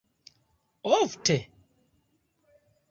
Ofte?